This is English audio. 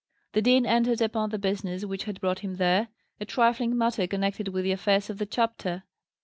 The dean entered upon the business which had brought him there, a trifling matter connected with the affairs of the chapter.